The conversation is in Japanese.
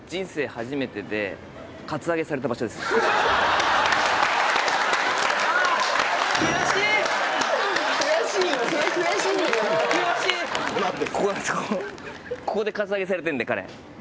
ここでカツアゲされてるんで彼。